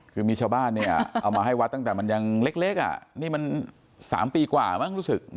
คือมีชาวบ้านเนี่ยเอามาให้วัดตั้งแต่มันยังเล็กนี่มัน๓ปีกว่ามั้งรู้สึก